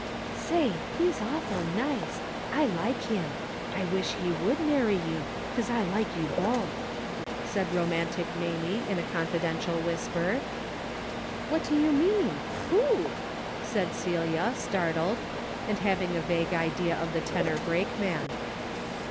" Say, he's awful nice. I like him. I wish DAILY BATE.^' 281 he would marry you, 'cause I like you both," said romantic Mamie, in a confidential whis per. " What do you mean ? Who ?" said Celia, startled, and having a vague idea of the tenor brakeman.